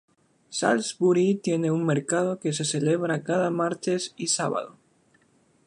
Salisbury tiene un mercado que se celebra cada martes y sábado.